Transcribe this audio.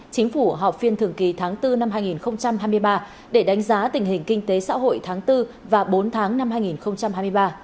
chính phủ họp phiên thường kỳ tháng bốn năm hai nghìn hai mươi ba để đánh giá tình hình kinh tế xã hội tháng bốn và bốn tháng năm hai nghìn hai mươi ba